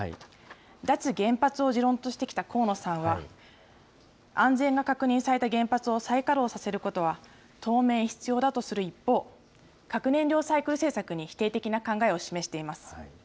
脱原発を持論としてきた河野さんは、安全の確認された原発を再稼働させることは当面必要だとする一方、核燃料サイクル政策に否定的な考えを示しています。